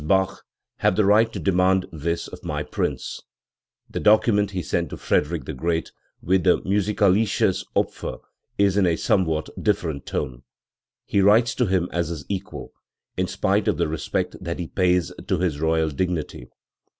Bach, have the right to demand this of my prince 19 . The document he sent to Frederick the Great with the Musikalisches Opfer is in a somewhat different tone. He writes to him as his equal, in spite of the respect that he pays to his royal dignity.